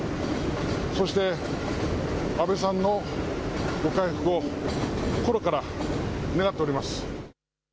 そして安倍さんのご回復を心から願っております。